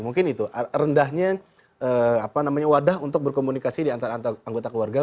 mungkin itu rendahnya apa namanya wadah untuk berkomunikasi di antara anggota keluarga